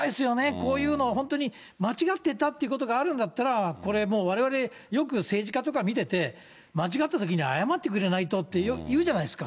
こういうの、本当に間違ってたということがあるんだったら、これ、もうわれわれ、よく政治家とか見てて、間違ったときに謝ってくれないとって言うじゃないですか。